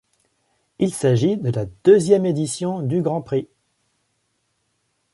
Il s'agit de la deuxième édition du Grand Prix.